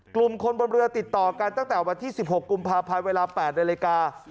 กลุ่มคนบนเรือติดต่อกันตั้งแต่วันที่๑๖กุมภาพันธ์เวลา๘นาฬิกา